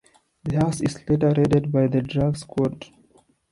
The house is later raided by the drug squad.